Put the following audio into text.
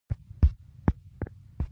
اوښ د افغانانو د ګټورتیا یوه برخه ده.